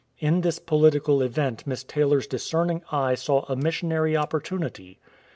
In this political event Miss Taylor's discerning eye saw a missionary opportunity.